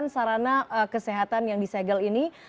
dua puluh delapan sarana kesehatan yang disegel ini